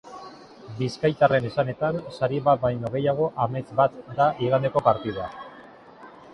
Bizkaitarraren esanetan sari bat baino gehiago amets bat da igandeko partida.